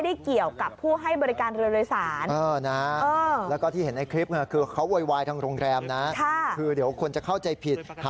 รถรับส่งโอ้โหไปทำอะไรให้เคยเขาอีก